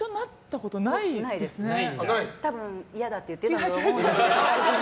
多分、嫌だって言ってたと思う。